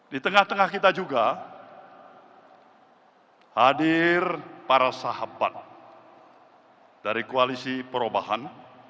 di tengah tengah kita juga hadir para sahabat dari koalisi perubahan